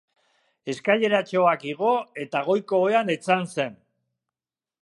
Eskaileratxoak igo eta goiko ohean etzan zen.